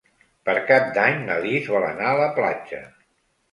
Per Cap d'Any na Lis vol anar a la platja.